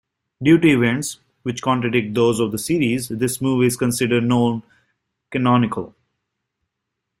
Due to events, which contradict those of the series, this movie is considered non-canonical.